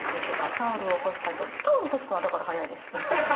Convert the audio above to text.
タオルを干すのはだから速いです。